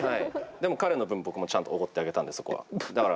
でも彼の分僕もちゃんとおごってあげたんでそこは。